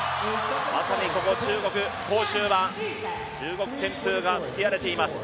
まさにここ中国・杭州は中国旋風が吹きあれています。